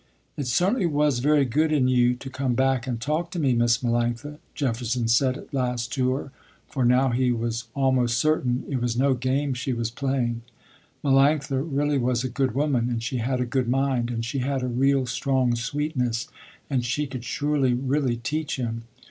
"It certainly was very good in you to come back and talk to me Miss Melanctha," Jefferson said at last to her, for now he was almost certain, it was no game she was playing. Melanctha really was a good woman, and she had a good mind, and she had a real, strong sweetness, and she could surely really teach him.